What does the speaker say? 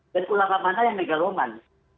dan ulama mana yang megaloman